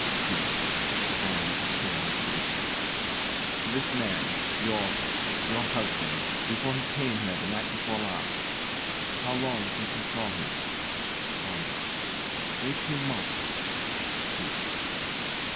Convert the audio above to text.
KEITH. [Drawing up a chair and sitting] This, man, your your husband, before he came here the night before last how long since you saw him? WANDA. Eighteen month. KEITH.